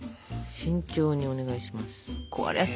慎重にお願いします。